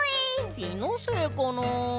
きのせいかなあ。